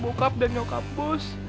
bukan bokap dan nyokap bos